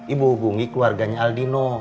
ibu hubungi keluarganya aldino